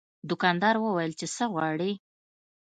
دوکاندار وویل چې څه غواړې.